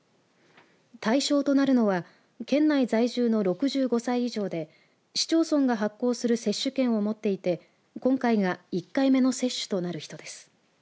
対象となるのは県内在住の６５歳以上で市町村が発行する接種券を持っていて今回が１回目の接種となる人です。